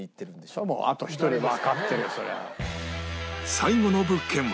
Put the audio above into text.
最後の物件は